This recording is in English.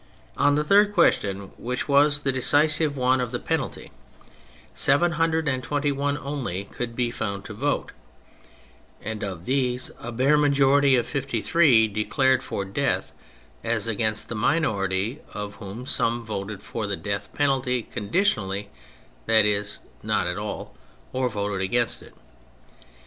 On the third question, which was the decisive one of the penalty, 721 only could be found to vote, and of these a bare majority of 53 declared for death as against the minority, of whom some voted for the death penalty " conditionally" — that is, not at all — or voted against it.